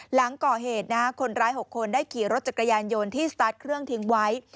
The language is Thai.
หลังก่อเหตุคนร้าย๖คนได้ขี่รถจักรยานยนต์ที่สตาร์ทเครื่องทิ้งไว้